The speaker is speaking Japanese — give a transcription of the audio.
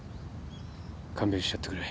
勘弁してやってくれ。